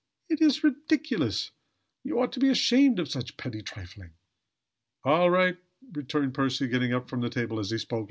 It is ridiculous! You ought to be ashamed of such petty trifling." "All right," returned Percy, getting up from the table as he spoke.